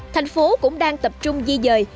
thành phố cũng đang tập trung di dời